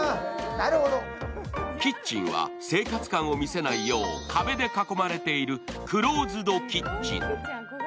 キッチンは生活感を見せないよう壁で囲まれているクローズドキッチン。